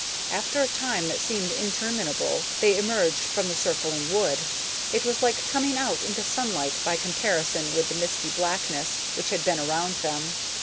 After a time that seemed interminable, they emerged from the circling wood. It was like coming out into sunlight by comparison with the misty blackness which had been around them.